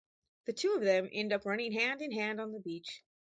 The two of them end up running hand in hand on the beach.